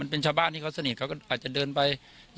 ลุงพลบอกว่ามันก็เป็นการทำความเข้าใจกันมากกว่าเดี๋ยวลองฟังดูค่ะ